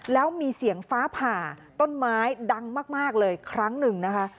แล้วมีเสียงฟ้าผ่าต้นไม้ดังมากเลยครั้งหนึ่งนะคะ